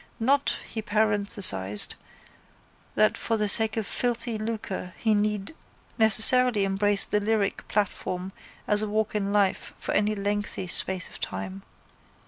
Not, he parenthesised, that for the sake of filthy lucre he need necessarily embrace the lyric platform as a walk in life for any lengthy space of time.